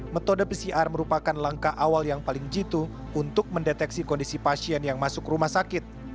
metode pcr merupakan langkah awal yang paling jitu untuk mendeteksi kondisi pasien yang masuk rumah sakit